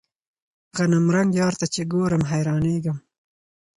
غنمرنګ يار ته چې ګورم حيرانېږم.